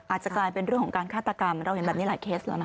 อาจจะกลายเป็นเรื่องของการฆาตกรรมเราเห็นแบบนี้หลายเคสแล้วนะ